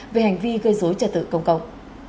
về hành vi gây dối trả tự công cộng